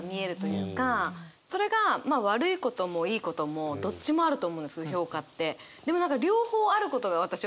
それがまあ悪いこともいいこともどっちもあると思うんです評価って。